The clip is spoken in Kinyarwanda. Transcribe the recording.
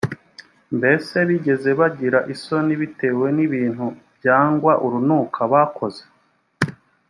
h mbese bigeze bagira isoni bitewe n ibintu byangwa urunuka bakoze